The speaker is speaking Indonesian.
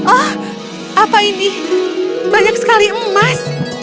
oh apa ini banyak sekali emas